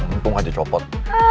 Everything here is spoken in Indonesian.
untung gak jadi copot